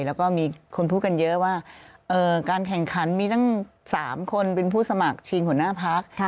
แล้วก็มีคนพูดกันเยอะว่าการแข่งขันมีตั้ง๓คนเป็นผู้สมัครชิงหัวหน้าพัก